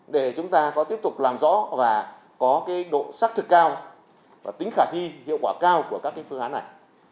để chúng ta có tiếp tục làm rõ và có độ xác thực cao và tính khả thi hiệu quả cao của các phương án này